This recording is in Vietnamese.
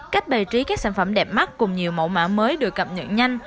cách bày trí các sản phẩm đẹp mắt cùng nhiều mẫu mạng mới được cập nhận nhanh